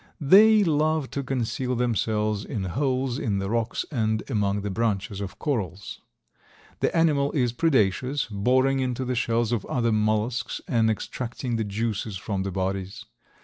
They love to conceal themselves in holes in the rocks and among the branches of corals. The animal is predaceous, boring into the shells of other mollusks and extracting the juices from the bodies.